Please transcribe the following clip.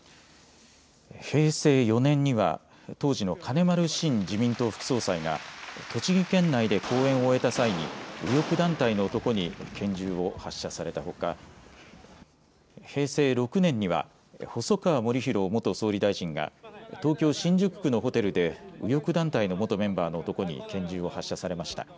平成４年には当時の金丸信自民党副総裁が栃木県内で講演を終えた際に右翼団体の男に拳銃を発射されたほか、平成６年には細川護煕元総理大臣が東京新宿区のホテルで右翼団体の元メンバーの男にけん銃を発射されました。